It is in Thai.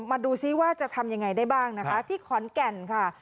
มาดูซิว่าจะทำยังไงได้บ้างนะคะที่ขอนแก่นค่ะ